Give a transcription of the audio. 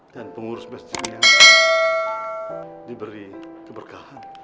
dan pengurus masjid yang diberi keberkahan